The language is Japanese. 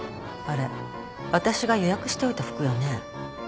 あれ私が予約しておいた服よね？